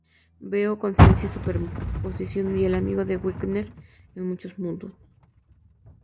Vea Conciencia y superposición y El amigo de Wigner en muchos mundos.